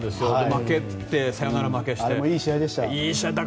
負けて、サヨナラ負けして。